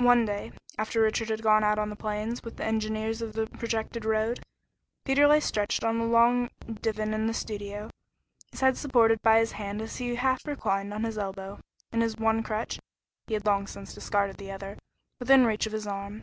One day, after Richard had gone out on the plains with the engineers of the projected road, Peter lay stretched on a long divan in the studio, his head supported by his hand as he half reclined on his elbow, and his one crutch he had long since discarded the other within reach of his arm.